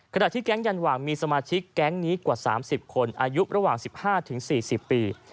แก๊งยันหว่างมีสมาชิกแก๊งนี้กว่า๓๐คนอายุระหว่าง๑๕๔๐ปี